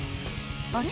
あれ？